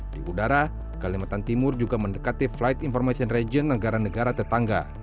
di udara kalimantan timur juga mendekati flight information region negara negara tetangga